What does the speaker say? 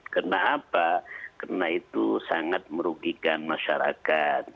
kenapa karena itu sangat merugikan masyarakat